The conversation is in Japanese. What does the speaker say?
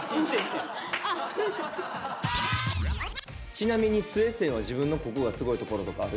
ちなみにスエスエは自分のココがすごいところとかある？